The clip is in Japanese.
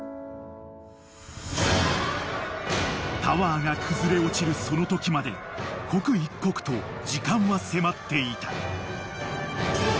［タワーが崩れ落ちるそのときまで刻一刻と時間は迫っていた］